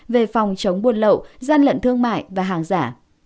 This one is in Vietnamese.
về phòng chống buôn lậu gian lận thương mại và hàng giả